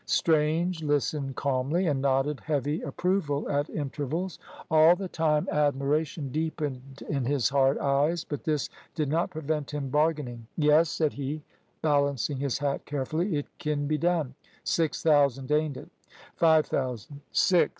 Strange listened calmly, and nodded heavy approval at intervals. All the time admiration deepened in his hard eyes, but this did not prevent him bargaining. "Yes," said he, balancing his hat carefully. "It kin be done. Six thousand, ain't it!" "Five thousand." "Six!"